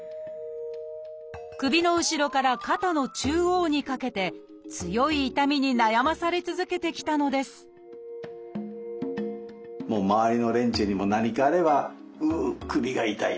首の後ろから肩の中央にかけて強い痛みに悩まされ続けてきたのです周りの連中にも何かあれば「うう首が痛い。